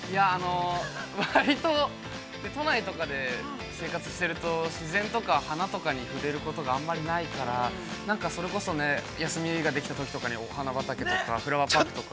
◆割と、都内とかで生活していると、自然とか花とかに触れることがあんまりないから、なんかそれこそ、休みができたときとかに、お花畑とか、フラワーパークとか。